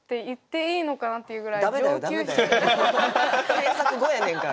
添削後やねんから。